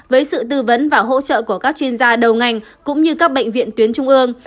với sự tư vấn và hỗ trợ của các chuyên gia đầu ngành cũng như các bệnh viện tuyến trung ương